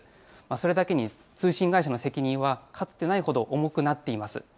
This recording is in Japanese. それだけに通信会社の責任はかつてないほど重くなっています。